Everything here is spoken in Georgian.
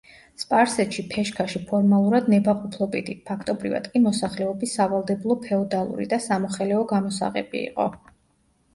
სპარსეთში ფეშქაში ფორმალურად ნებაყოფლობითი, ფაქტობრივად კი მოსახლეობის სავალდებულო ფეოდალური და სამოხელეო გამოსაღები იყო.